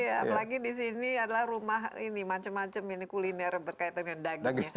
apalagi di sini adalah rumah ini macam macam ini kuliner berkaitan dengan dagingnya